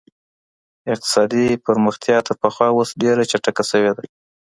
اقتصادي پرمختيا تر پخوا اوس ډېره چټکه سوې ده.